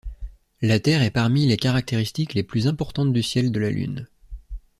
La Terre est parmi les caractéristiques les plus importantes du ciel de la Lune.